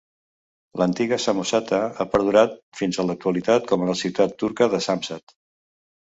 L'antiga Samosata ha perdurat fins a l'actualitat com a la ciutat turca de Samsat.